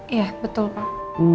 iya betul pak